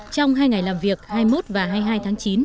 trong hai ngày làm việc hai mươi một và hai mươi hai tháng chín